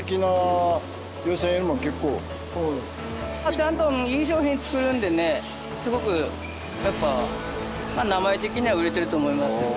ちゃんといい商品作るんでねすごくやっぱ名前的には売れてると思います。